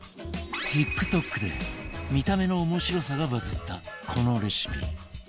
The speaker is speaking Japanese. ティックトックで見た目の面白さがバズったこのレシピ